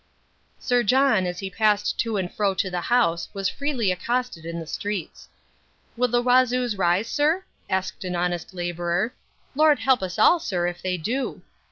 Sir John as he passed to and fro to the House was freely accosted in the streets. "Will the Wazoos rise, sir?" asked an honest labourer. "Lord help us all, sir, if they do."